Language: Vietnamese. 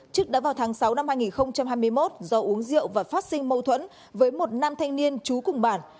trước đó vào tháng sáu năm hai nghìn hai mươi một do uống rượu và phát sinh mâu thuẫn với một nam thanh niên trú cùng bản